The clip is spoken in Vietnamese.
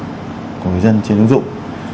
của người dân trên ứng dụng